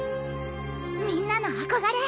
みんなの憧れ！